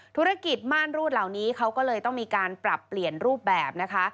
ธุรกิจม่านรูดเหล่านี้เขาก็เลยต้องมีการปรับเปลี่ยนรูปแบบนะคะ